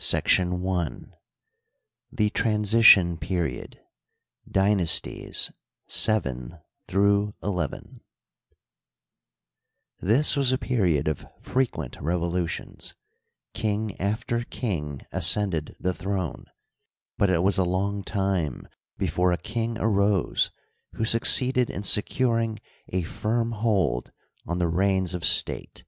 § I. The Transition Period Dynasties VII XL This was a period of frequent revolutions ; king after king ascended the throne, but it was a long time before a king arose who succeeded in securing a firm hold on the reins of state.